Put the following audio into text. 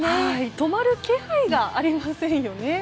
止まる気配がありませんよね。